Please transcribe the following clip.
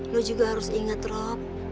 lo juga harus ingat rob